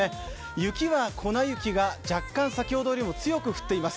雪は粉雪が若干、先ほどより強く降っています。